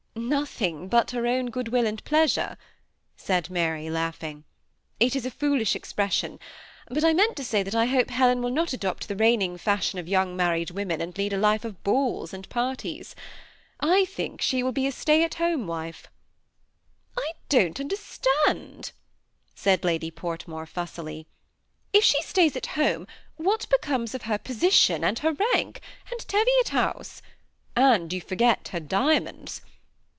^Nothing but her own good wiU and pleasure," said Mary, laughing :^ it is a foolish expression ; but I meant to say that I hope Helen will not adopt the reigning fashion of young married women, and lead a life of balls and parties. I think she will be a stay at home wife." THE SEMI ATTACHED COXJPLB. 97 " I don't understand," said Lady Portmore, fussily ;'* if she stays at home, what becomes of her position, and her rank, and Teviot House? And you forget her diamonds.